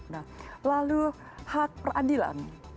nah lalu hak peradilan